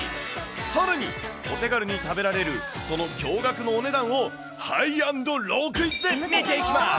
さらに、お手軽に食べられる、その驚がくのお値段をハイ＆ロークイズで見ていきます。